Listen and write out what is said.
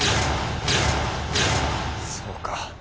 そうか。